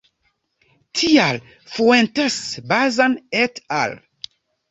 Tial Fuentes-Bazan et al.